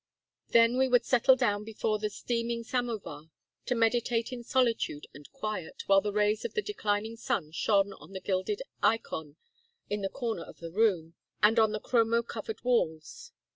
Then we would settle down before the steaming samovar to meditate in solitude and quiet, while the rays of the declining sun shone on the gilded eikon in the corner of the room, and on the chromo covered walls.